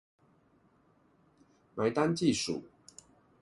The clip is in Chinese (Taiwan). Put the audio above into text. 埋單計數